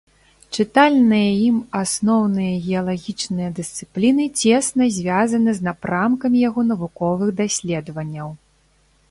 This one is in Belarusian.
Чытальныя ім асноўныя геалагічныя дысцыпліны цесна звязаны з напрамкамі яго навуковых даследаванняў.